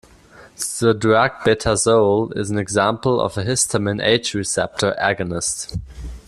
The drug betazole is an example of a histamine H receptor agonist.